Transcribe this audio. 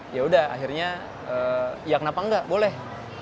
yaudah akhirnya ya kenapa nggak boleh